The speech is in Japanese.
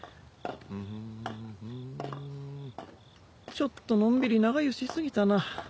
ちょっとのんびり長湯し過ぎたな。